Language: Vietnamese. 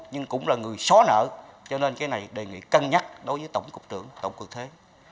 nhưng cũng là người xóa nợ cho nên cái này đề nghị cân nhắc đối với tổng cục trưởng tổng cục thuế